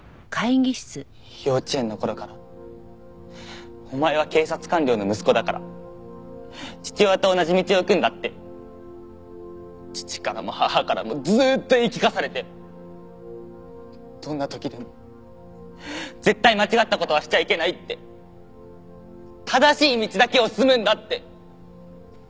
幼稚園の頃からお前は警察官僚の息子だから父親と同じ道を行くんだって父からも母からもずーっと言い聞かされてどんな時でも絶対間違った事はしちゃいけないって正しい道だけを進むんだって。